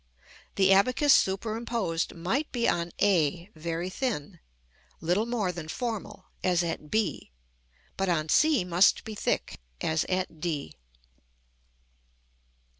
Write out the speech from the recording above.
The abacus superimposed might be on a very thin, little more than formal, as at b; but on c must be thick, as at d.